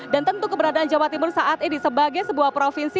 dan tentu keberadaan jawa timur saat ini sebagai sebuah provinsi